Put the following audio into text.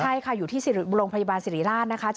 ใช่ค่ะอยู่ที่โรงพยาบาลสิริราชนะคะ